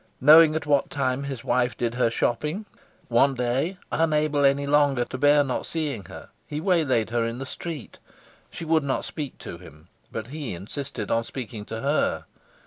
Knowing at what time his wife did her shopping, one day, unable any longer to bear not seeing her, he waylaid her in the street. She would not speak to him, but he insisted on speaking to her.